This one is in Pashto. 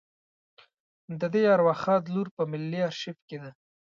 د دې ارواښاد لور په ملي آرشیف کې ده.